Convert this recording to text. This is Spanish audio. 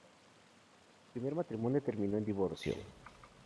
Su primer matrimonio terminó en divorcio.